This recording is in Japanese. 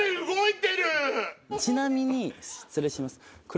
ちなみに失礼します。